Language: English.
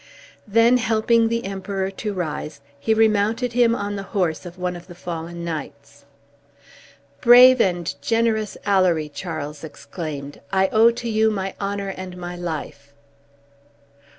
Then helping the Emperor to rise, he remounted him on the horse of one of the fallen knights. "Brave and generous Alory!" Charles exclaimed, "I owe to you my honor and my life!"